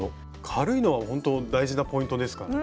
軽いのはほんと大事なポイントですからね。